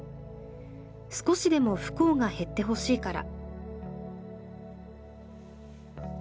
少しでも不幸が減ってほしいから」。